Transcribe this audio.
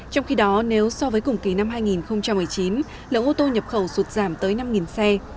trong khi đó nếu so với cùng kỳ năm hai nghìn một mươi chín lượng ô tô nhập khẩu sụt giảm tới năm xe